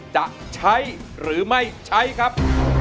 จะใช้หรือไม่ใช้ครับ